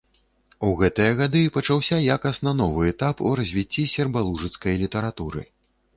У гэтыя гады пачаўся якасна новы этап у развіцці сербалужыцкай літаратуры.